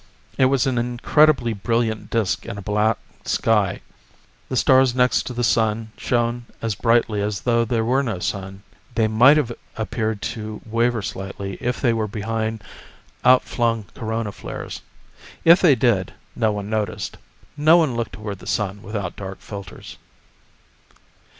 It was an incredibly brilliant disk in a black sky. The stars next to the sun shone as brightly as though there were no sun. They might have appeared to waver slightly, if they were behind outflung corona flares. If they did, no one noticed. No one looked toward the sun without dark filters.